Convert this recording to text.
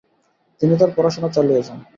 তিনি তার পড়াশোনা চালিয়ে যান।